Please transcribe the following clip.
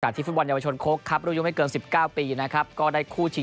การที่ฝุ่น๑แยวโชนโคกครับรูยุ่งไม่เกินสิบเก้าปีนะครับก็ได้คู่ชิง